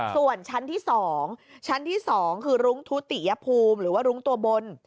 ส่วนชั้นที่๒ชั้นที่๒คือรุ้งทุติยภูมิหรือว่ารุ้งตัวบน